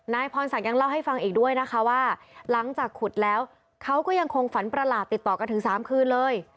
พรศักดิ์ยังเล่าให้ฟังอีกด้วยนะคะว่าหลังจากขุดแล้วเขาก็ยังคงฝันประหลาดติดต่อกันถึง๓คืนเลย